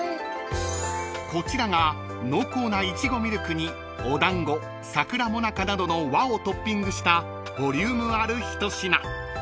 ［こちらが濃厚な苺ミルクにお団子桜最中などの和をトッピングしたボリュームある一品］